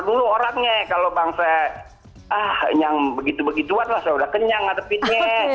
dulu orangnya kalau bang saya yang begitu begituan lah saya udah kenyang atapinnya